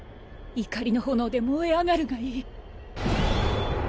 怒りの炎で燃え上がるがいい！